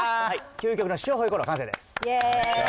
究極の塩ホイコーロー完成です